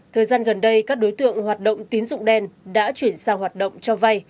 thời gian gần đây các đối tượng hoạt động tín dụng đen đã chuyển sang hoạt động cho vay